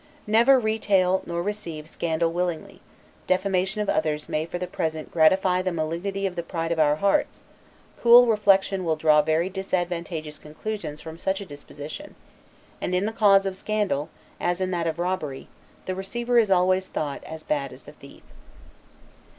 Neither retail nor receive scandal willingly; defamation of others may for the present gratify the malignity of the pride of our hearts; cool reflection will draw very disadvantageous conclusions from such a disposition; and in the case of scandal, as in that of robbery, the receiver is always thought, as bad as the thief.